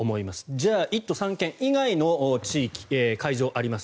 じゃあ１都３県以外の地域会場あります。